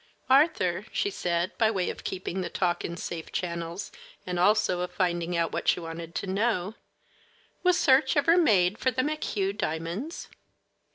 "Arthur," she said, by way of keeping the talk in safe channels and also of finding out what she wanted to know, "was search ever made for the McHugh diamonds?"